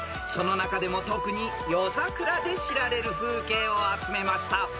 ［その中でも特に夜桜で知られる風景を集めました］